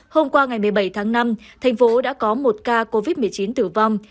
hôm qua ngày một mươi bảy tháng năm thành phố đã có một ca covid một mươi chín tử vong